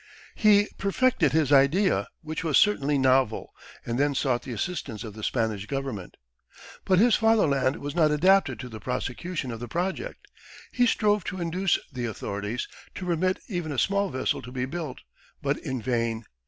He perfected his idea, which was certainly novel, and then sought the assistance of the Spanish Government. But his fatherland was not adapted to the prosecution of the project. He strove to induce the authorities to permit even a small vessel to be built, but in vain.